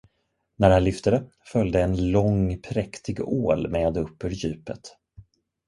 När han lyfte det, följde en lång, präktig ål med upp ur djupet.